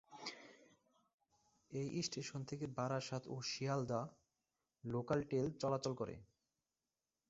এই স্টেশন থেকে বারাসাত ও শিয়ালদহ লোকাল ট্রেন চলাচল করে।